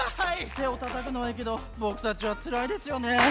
てをたたくのはいいけどぼくたちはつらいですよね。